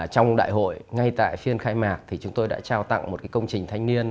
trong đại hội ngay tại phiên khai mạc thì chúng tôi đã trao tặng một công trình thanh niên